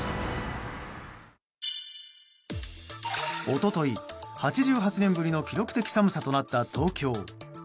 一昨日、８８年ぶりの記録的寒さとなった東京。